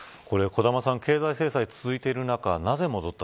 小玉さん、経済制裁が続いている中